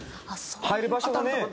入る場所がね。